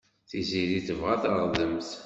Tiziri tebɣa taɣdemt.